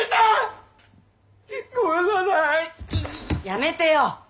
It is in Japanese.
やめてよ。